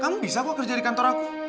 kamu bisa kok kerja di kantor aku